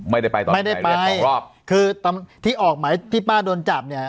ไม่ได้ไปต่อไม่ได้ไปที่ออกหมายที่ป้าโดนจับเนี้ย